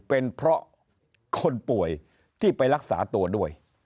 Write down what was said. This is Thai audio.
เป็นเพราะคนป่วยที่ไปรักษาตัวด้วย